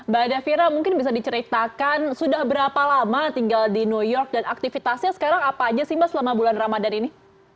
mbak davira mungkin bisa diceritakan sudah berapa lama tinggal di new york dan aktivitasnya sekarang apa aja sih mbak selama bulan ramadan ini